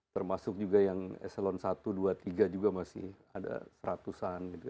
termasuk juga yang eselon satu dua tiga juga masih ada seratusan gitu